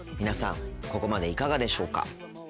皆さんここまでいかがでしょうか？